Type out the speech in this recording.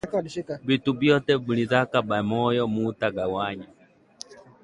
Bitu byote muliuzaka pamoya muta gawanya